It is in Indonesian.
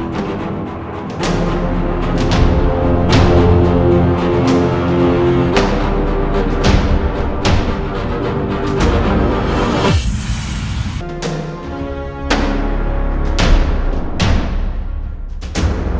terima kasih banyak